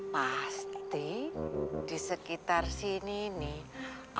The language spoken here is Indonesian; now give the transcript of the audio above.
pasti disekitar sini nih